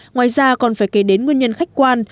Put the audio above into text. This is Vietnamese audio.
ngoài ra còn phải kể đến nguyên nhân khách quan